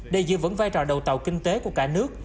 để giữ vững vai trò đầu tàu kinh tế của cả nước